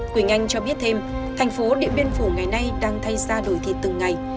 quỳnh anh cho biết thêm thành phố điện biên phủ ngày nay đang thay ra đổi thịt từng ngày